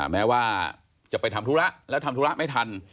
แม้ว่าจะไปทำธุระแล้วทำธุระไม่ทัน